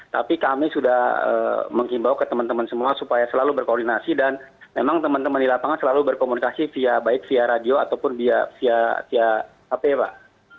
tapi kami sudah mengimbau ke teman teman semua supaya selalu berkoordinasi dan memang teman teman di lapangan selalu berkomunikasi via baik via radio ataupun via hp pak